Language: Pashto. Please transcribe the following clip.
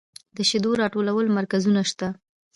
د شیدو راټولولو مرکزونه شته؟